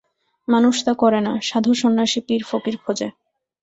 মানুষ তা করে না, সাধু-সন্ন্যাসী, পীর-ফকির খোঁজে।